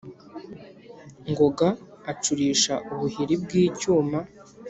ngoga acurisha ubuhiri bw'icyuma,